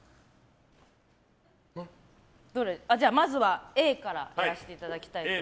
じゃあ、まずはＡからやらせていただきたいと思います。